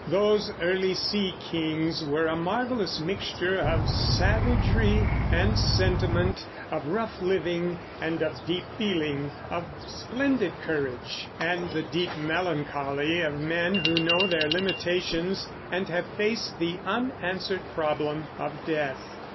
Those early sea kings were a marvelous mixture of savagery and sentiment, of rough living and of deep feeling, of splendid courage and the deep melancholy of men who know their limitations and have faced the unanswered problem of death.